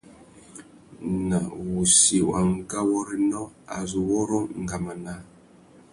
Nà wussi wa ngawôrénô, a zu wôrrô ngama naā.